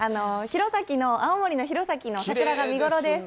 弘前の、青森の弘前の桜が見頃です。